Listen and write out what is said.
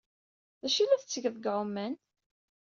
D acu ay la tettgeḍ deg ɛuman?